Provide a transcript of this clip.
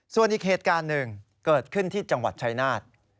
ส่วนอีกเหตุการณ์หนึ่งเกิดขึ้นที่จังหวัดชายนาฏ